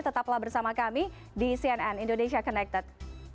tetaplah bersama kami di cnn indonesia connected